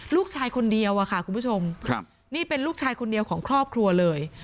ลูกชายคนเดียวอะค่ะคุณผู้ชมครับนี่เป็นลูกชายคนเดียวของครอบครัวเลย